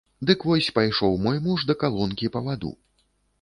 Дык вось, пайшоў мой муж да калонкі па ваду.